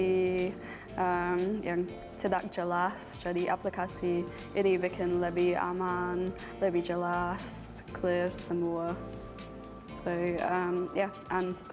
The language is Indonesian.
tetapi mereka tidak jelas jadi aplikasi ini membuat lebih aman lebih jelas lebih jelas